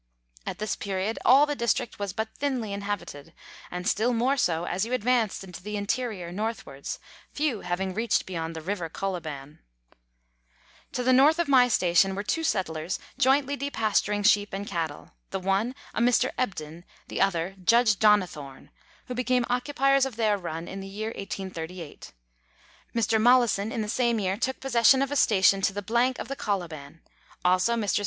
At this period all the district was but thinly inhabited, and still more so as you advanced into the interior northwards, few having reached beyond the River Colibau. Letters from Victorian Pioneers. 21 To the N. of my station were two settlers jointly depasturing sheep and cattle, the one a Mr. Ebden, the other Judge Douni thnnio, who became occupiers of their run in the year 1838. Mr. Mollison in the same year took possession of a station to the 1 of the Coliban ; also Messrs.